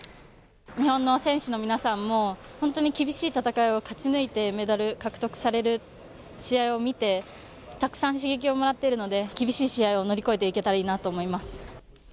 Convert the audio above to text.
日本の選手の皆さんも、本当に厳しい戦いを勝ち抜いて、メダル獲得される試合を見て、たくさん刺激をもらっているので、厳しい試合を乗り越えていけたらいいなと思います。